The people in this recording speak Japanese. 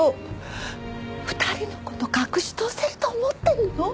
２人の事隠し通せると思ってんの？